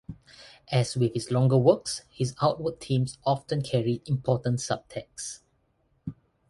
As with his longer works, his outward themes often carry important subtexts.